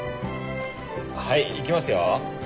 はい行きますよ。